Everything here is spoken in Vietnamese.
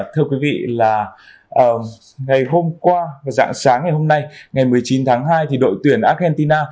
thưa quý vị là ngày hôm qua dạng sáng ngày hôm nay ngày một mươi chín tháng hai thì đội tuyển argentina